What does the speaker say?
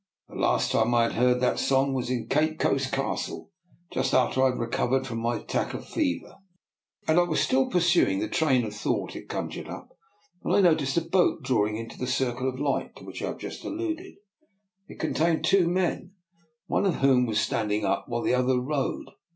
The last time I had heard that song was in Cape Coast Castle, just after I had recovered from my attack of fever; and I was still pursuing the train of thought it conjured up, when I noticed a boat drawing into the circle of light to which I have just alluded. It contained two men, one of whom was standing up while the other rowed.